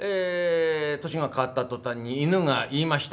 年が変わったとたんに犬が言いました。